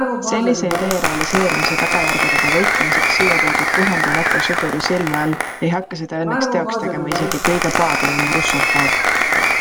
Sellise idee realiseerimise tagajärgedega võitlemiseks siia toodud tuhande NATO sõduri silme all ei hakka seda õnneks teoks tegema isegi kõige paadunum russofoob.